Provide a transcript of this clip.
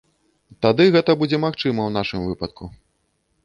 Тады гэта будзе магчыма ў нашым выпадку.